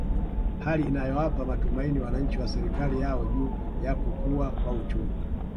Hali inayowapa matumaini wananchi na serikali yao juu ya kukua kwa uchumi